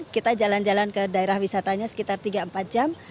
kita jalan jalan ke daerah wisatanya sekitar tiga empat jam